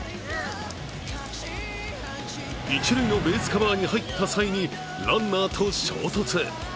一塁のベースカバーに入った際にランナーと衝突。